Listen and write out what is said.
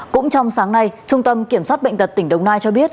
cũng trong sáng nay trung tâm kiểm soát bệnh tật tỉnh đồng nai cho biết